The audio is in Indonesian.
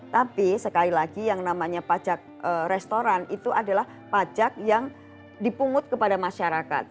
tapi sekali lagi yang namanya pajak restoran itu adalah pajak yang dipungut kepada masyarakat